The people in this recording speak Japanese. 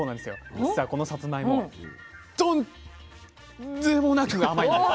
実はこのさつまいもとんっでもなく甘いんです。